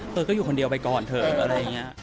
เธอก็อยู่คนเดียวไปก่อนเถอะ